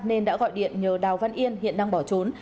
nên đã gọi điện nhờ đào văn yên hiện đang bỏ trốn